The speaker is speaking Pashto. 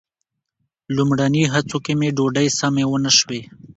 لومړني هڅو کې مې ډوډۍ سمې ونه شوې.